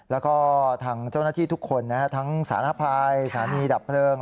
แล้วก็ทางเจ้าหน้าที่ทุกคนทั้งสารภัยสถานีดับเพลิง